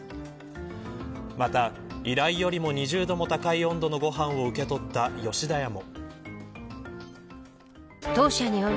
また、依頼よりも２０度も高い温度のご飯を受け取った吉田屋も。